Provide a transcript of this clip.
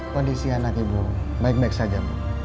kondisi anak ibu baik baik saja